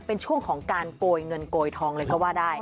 เป็นช่วงของการโกยเงินโกยทองเลยก็ว่าได้